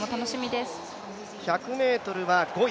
１００ｍは５位。